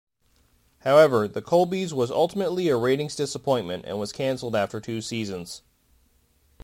However, "The Colbys" was ultimately a ratings disappointment, and was canceled after two seasons.